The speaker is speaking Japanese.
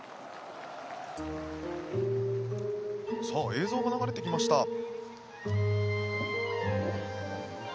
さあ映像が流れてきました。